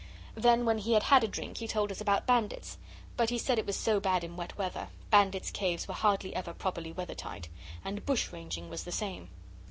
Then when he had had a drink he told us about bandits, but he said it was so bad in wet weather. Bandits' caves were hardly ever properly weathertight. And bush ranging was the same.